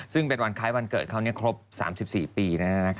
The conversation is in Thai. ซึ่งเป็นวันคล้ายวันเกิดเขาครบ๓๔ปี